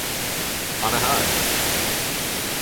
Han är här!